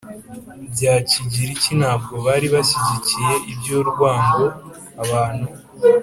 bya Kigiriki ntabwo bari bashyigikiye iby urwango abantu